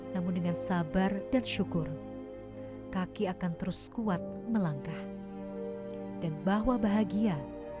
namun dengan sabar dan syukur kaki akan terus kuat melangkah dan bahwa bahagia